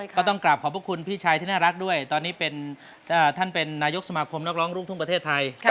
ก็ต้องกลับขอบพระคุณพี่ชายที่น่ารักด้วยตอนนี้ท่านเป็นนายกสมาคมนักร้องลูกทุ่งประเทศไทย